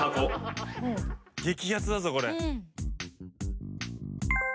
激熱だぞこれ。